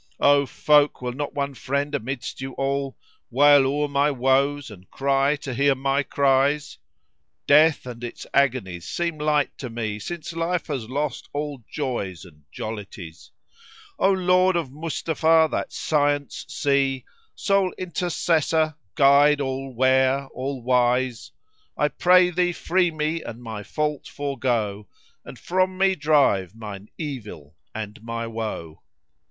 O folk, will not one friend amidst you all * Wail o'er my woes, and cry to hear my cries? Death and it agonies seem light to me, * Since life has lost all joys and jollities: O Lord of Mustafá,[FN#73] that Science sea, * Sole Intercessor, Guide all ware, all wise! I pray thee free me and my fault forego, * And from me drive mine evil and my woe."